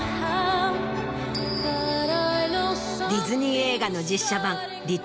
ディズニー映画の。の主演